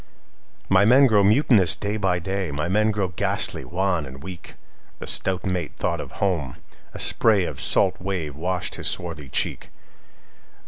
'""My men grow mutinous day by day; My men grow ghastly wan and weak."The stout mate thought of home; a sprayOf salt wave washed his swarthy cheek.